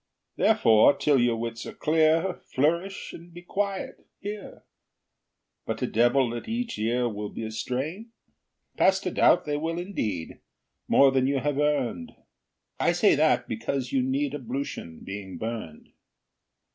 Therefore, till your wits are clear, Flourish and be quiet here. But a devil at each ear Will be a strain? Past a doubt they will indeed, More than you have earned. I say that because you need Ablution, being burned?